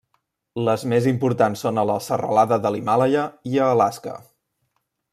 Les més importants són a la serralada de l'Himàlaia i a Alaska.